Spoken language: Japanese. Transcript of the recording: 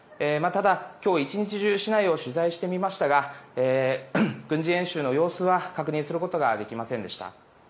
ただ、今日１日中市内を取材してみましたが軍事演習の様子は確認することができませんでした。